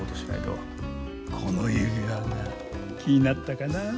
この指輪が気になったかな。